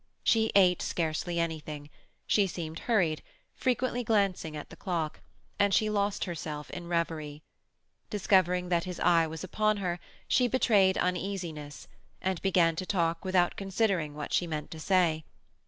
She ate scarcely anything; she seemed hurried, frequently glancing at the clock; and she lost herself in reverie. Discovering that his eye was upon her, she betrayed uneasiness, and began to talk without considering what she meant to say.